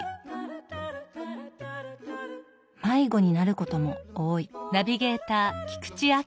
迷子になることも多い。